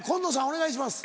お願いします。